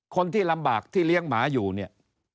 คนที่ลำบากที่เลี้ยงหมาอยู่เนี่ย